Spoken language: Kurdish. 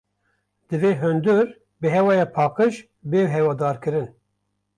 Divê hundir bi hewaya paqîj bê hawadarkirin